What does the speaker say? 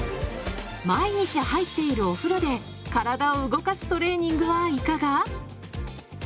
毎日入っているお風呂で体を動かすトレーニングはいかが？